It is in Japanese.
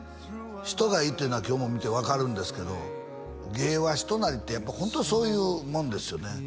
人がいいっていうのは今日も見て分かるんですけど芸は人なりってやっぱホントにそういうもんですよね